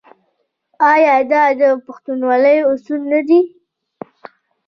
آیا دا د پښتونولۍ اصول نه دي؟